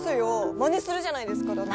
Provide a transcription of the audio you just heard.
マネするじゃないですかだって。